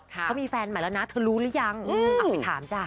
ก็มีแฟนมาแล้วนะท่ารู้หรือยังมาปิดถามจ้า